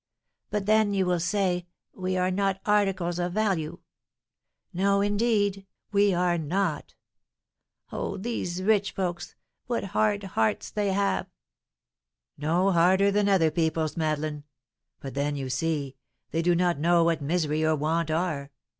But then, you will say, we are not articles of value; no, indeed, we are not. Oh, these rich folks, what hard hearts they have!" "Not harder than other people's, Madeleine; but then, you see, they do not know what misery or want are.